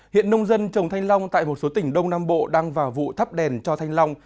hiện nông dân trồng thanh long tại một số tỉnh đông nam bộ đang vào vụ thắp đèn cho thanh long